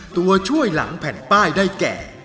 ตัวช่วยหลังแผ่นป้ายได้แก่